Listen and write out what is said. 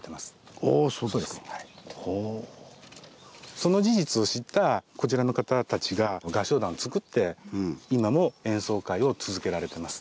その事実を知ったこちらの方たちが合唱団をつくって今も演奏会を続けられてます。